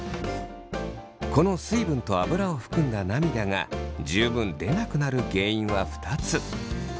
この水分とアブラを含んだ涙が十分出なくなる原因は２つ。